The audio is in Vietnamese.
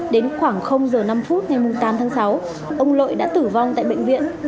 đến khoảng h năm phút ngày tám tháng sáu ông lội đã tử vong tại bệnh viện